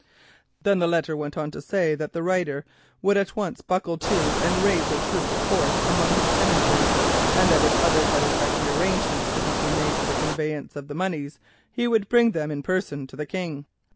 "Then the letter went on to say that the writer would at once buckle to and raise a troop of horse among his tenantry, and that if other satisfactory arrangements could not be made for the conveyance of the moneys, he would bring them in person to the King.